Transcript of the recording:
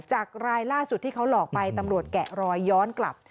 รายล่าสุดที่เขาหลอกไปตำรวจแกะรอยย้อนกลับ